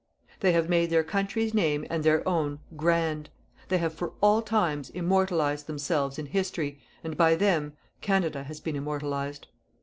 _ "_They have made their country's name and their own grand. They have for all times immortalized themselves in History, and, by them, Canada has been immortalized.